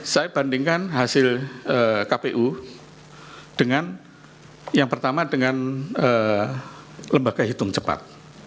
saya bandingkan hasil kpu dengan yang pertama dengan lembaga hitung cepat